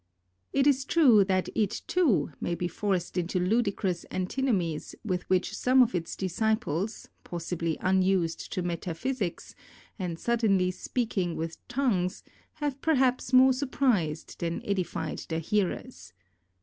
Jt is true that it too may be forced into ludi crous antinomies with which some of its 'disciples, possibly unused to metaphysics, and suddenly speaking with tongues, have perhaps more surprised than edified their hearers.